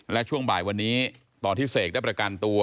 และช่วงบ่ายวันนี้ตอนที่เสกได้ประกันตัว